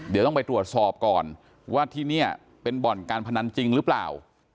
เดี๋ยวต้องไปตรวจสอบก่อนว่าที่นี่เป็นบ่อนการพนันจริงหรือเปล่า